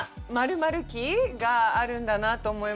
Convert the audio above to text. ○期があるんだなと思いまして。